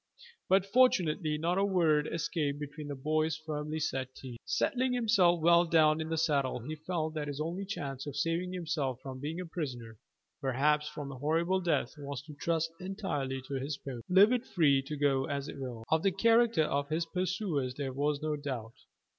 But fortunately not a word escaped between the boy's firmly set teeth. Settling himself well down in the saddle, he felt that his only chance of saving himself from being a prisoner, perhaps from a horrible death, was to trust entirely to his pony, leave it free to go as it willed. Of the character of his pursuers there was no doubt.